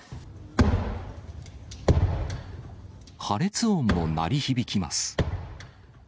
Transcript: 破裂音も鳴り響きます。